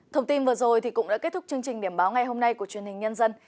thông tin vừa rồi cũng đã kết thúc chương trình điểm báo ngày hôm nay của truyền hình nhân dân